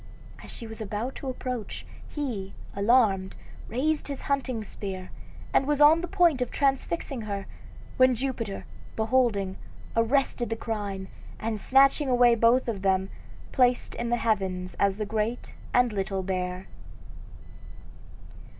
As she was about to approach, he, alarmed, raised his hunting spear, and was on the point of transfixing her, when Jupiter, beholding, arrested the crime, and snatching away both of them, placed them in the heavens as the Great and Little Bear.